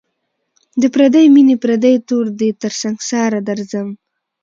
د پردۍ میني پردی تور دی تر سنگساره درځم